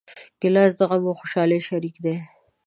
ګیلاس د غم او خوشحالۍ شریک دی.